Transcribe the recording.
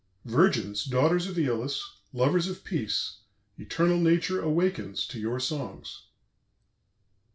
"Virgins, daughters of Æolus, lovers of peace, eternal Nature wakens to your songs!"